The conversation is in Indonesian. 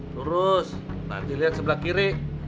lurus nanti lihat sebelah kiri